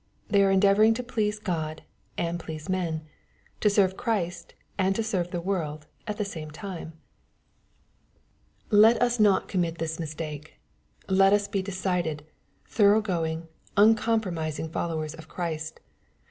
They are endeavoring to please God and please man, to serve Christ and serve the world at the same time. Let us 3* 68 XXPOSITOBT TH0V0HT8. not commit tbis mistake. Let us be decided^ tborough* going, uncompromising followers of Cbrist.